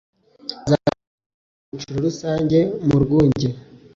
aza gukomereza icyiciro rusange mu Rwunge